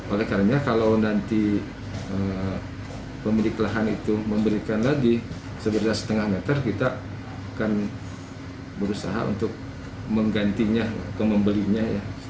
oleh karena kalau nanti pemilik lahan itu memberikan lagi seberat setengah meter kita akan berusaha untuk menggantinya atau membelinya